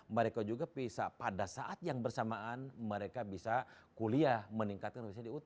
mereka juga bisa pada saat yang bersamaan mereka bisa kuliah meningkatkan usia di ut